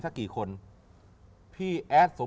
เพราะเขาไม่เจอรัก